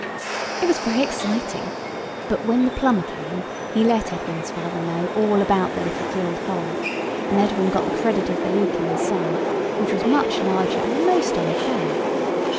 It was very exciting—but when the plumber came he let Edwin's father know all about the little drilled hole, and Edwin got the credit of the leak in the sum, which was much larger and most unfair.